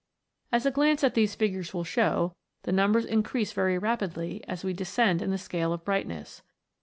As a glance at these figures will show, the numbers in crease very rapidly as we descend in the scale of brightness.